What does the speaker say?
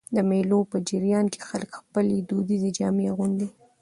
د مېلو په جریان کښي خلک خپلي دودیزي جامې اغوندي.